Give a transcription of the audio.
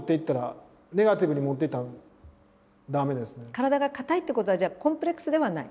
体が硬いってことはじゃあコンプレックスではない？